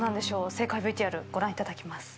正解ＶＴＲご覧いただきます。